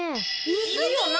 いるよな？